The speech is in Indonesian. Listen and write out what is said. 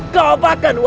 kamu membuat aku